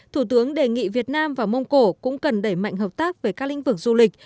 thủ tướng đề nghị việt nam và mông cổ cũng cần đẩy mạnh hợp tác về các lĩnh vực du lịch